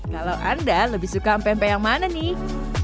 kalau anda lebih suka pempek yang mana nih